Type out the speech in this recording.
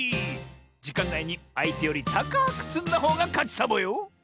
じかんないにあいてよりたかくつんだほうがかちサボよ！